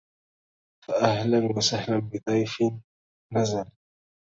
فأهلا وسهلا بضيف نزل